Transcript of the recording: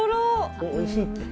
おいしいって。